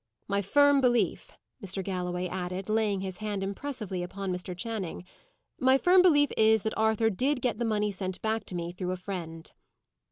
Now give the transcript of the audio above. My firm belief," Mr. Galloway added, laying his hand impressively upon Mr. Channing "my firm belief is, that Arthur did get the money sent back to me through a friend."